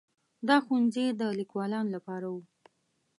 دا ښوونځي د لیکوالانو لپاره وو.